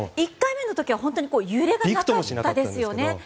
１回目の時は本当に揺れがなかったですよね。